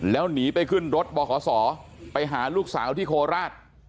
แล้วหนีไปขึ้นรถบขศไปหาลูกสาวที่โคราช